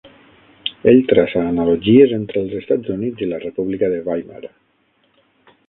Ell traça analogies entre els Estat Units i la República de Weimar.